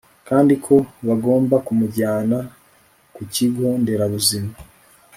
kandi ko bagomba kumujyana ku kigo nderabuzima